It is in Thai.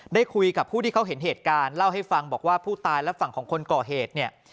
ได้คุยกับผู้ที่เขาเห็นเหตุการณ์เล่าให้ฟังบอกว่าผู้ตายและฝั่งของคนก่อเหตุเนี่ย